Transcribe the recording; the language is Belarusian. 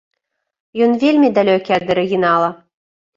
Ён вельмі далёкі ад арыгінала.